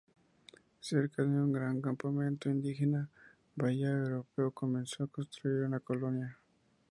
Cerca de un gran campamento indígena en Bahía Espero comenzó a construir una colonia.